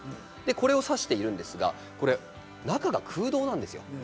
これをさしているんですが中が空洞なんですよ。